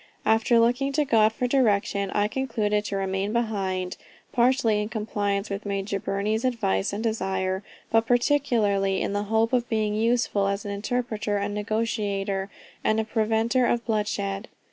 After looking to God for direction, I concluded to remain behind, partly in compliance with Major Burney's advice and desire, but particularly in the hope of being useful as an interpreter and negotiator, and a preventer of bloodshed.